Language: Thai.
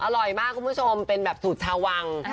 อร่อยมากคุณผู้ชมเป็นแบบสูตรชาววัง